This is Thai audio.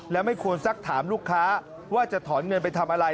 และไม่ควรสักถามลูกค้าว่าจะถอนเงินไปทำอะไร